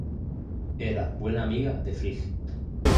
Era buena amiga de Frigg.